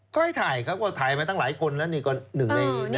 ก็ให้ถ่ายครับถ่ายมาตั้งหลายคนแล้วนี่ในหลายคนนะ